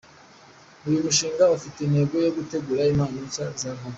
Uwo mushinga ufite intego yo gutegura impano nshya za ruhago.